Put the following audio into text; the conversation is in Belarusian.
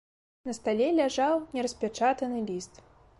На стале ляжаў нераспячатаны ліст.